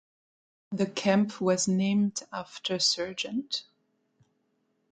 The camp was named after Sgt.